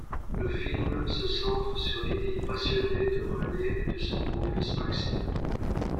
Le film se centre sur l'idylle passionnée de Renée et de son beau-fils, Maxime.